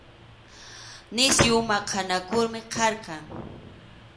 Nisyu maqanakuymi karqan.